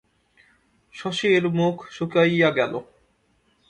শশীর মুখ শুকাইয়া গেল।